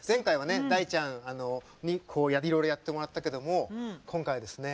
大ちゃんにいろいろやってもらったけども今回はですね